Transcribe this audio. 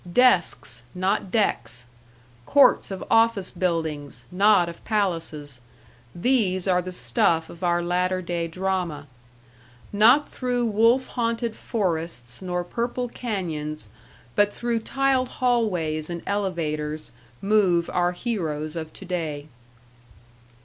Desks, not decks; courts of office buildings, not of palaces these are the stuff of our latter day drama. Not through wolf haunted forests nor purple cañons, but through tiled hallways and elevators move our heroes of to day.